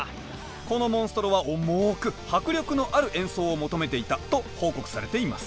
このモンストロは重く迫力のある演奏を求めていたと報告されています。